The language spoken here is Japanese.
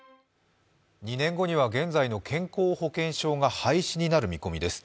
２年後には現在の健康保険証が廃止になる見込みです。